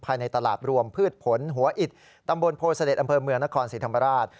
ภายในตลาดรวมพืชผลหัวอิตตำบลโพธิเศรษฐ์อำเภอเมืองนครสิทธิ์ธรรมราช